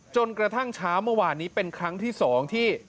จนกระทั่งเช้าเมื่อวานนี้เป็นครั้งที่๒ที่